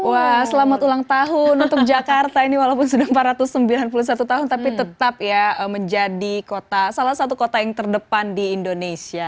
wah selamat ulang tahun untuk jakarta ini walaupun sudah empat ratus sembilan puluh satu tahun tapi tetap ya menjadi salah satu kota yang terdepan di indonesia